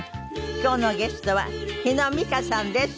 今日のゲストは日野美歌さんです。